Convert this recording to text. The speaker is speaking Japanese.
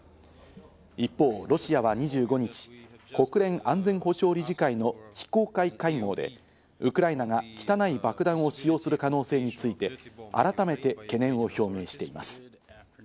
一方、ロシアは２５日、国連安全保障理事会の非公開会合で、ウクライナが「汚い爆弾」を使用する可能性について、改めて懸念を表明しています。